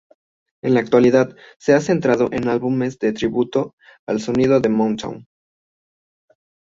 En la actualidad se ha centrado en álbumes de tributo al sonido Motown.